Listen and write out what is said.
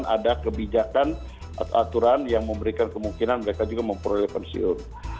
dan ada kebijakan atau aturan yang memberikan kemungkinan mereka juga memproyekan pensiun